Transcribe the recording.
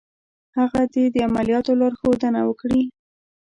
هغه دې د عملیاتو لارښودنه وکړي.